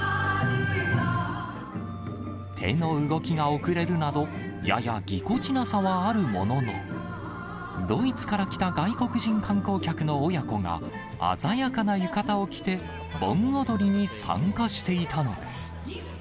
手の動きが遅れるなど、ややぎこちなさはあるものの、ドイツから来た外国人観光客の親子が、鮮やかな浴衣を着て、盆踊りに参加していたのです。